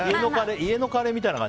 家のカレーみたいな感じ？